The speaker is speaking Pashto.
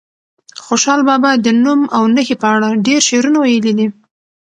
خوشحال بابا د نوم او نښې په اړه ډېر شعرونه ویلي دي.